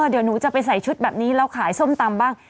เดี๋ยวหนูจะไปใส่ชุดแบบนี้แล้วขายส้มตำบ้าง